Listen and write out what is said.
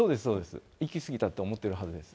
行き過ぎたと思ってるはずです。